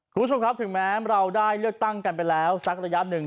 คุณผู้ชมครับถึงแม้เราได้เลือกตั้งกันไปแล้วสักระยะหนึ่ง